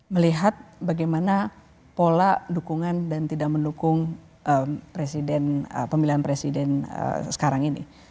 melihat bagaimana pola dukungan dan tidak mendukung pemilihan presiden sekarang ini